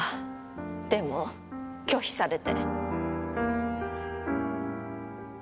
でも拒否されて。